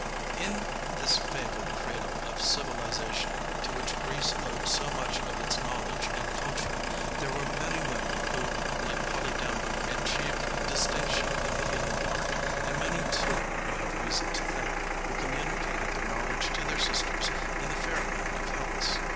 In this favored cradle of civilization, to which Greece owed so much of its knowledge and culture, there were many women who, like Polydamna, achieved distinction in the healing art, and many, too, we have reason to think, who communicated their knowledge to their sisters in the fair land of Hellas.